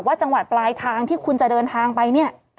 จังหวัดปลายทางที่คุณจะเดินทางไปเนี่ย